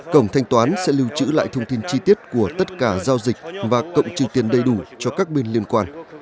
cổng thanh toán sẽ lưu trữ lại thông tin chi tiết của tất cả giao dịch và cộng trừ tiền đầy đủ cho các bên liên quan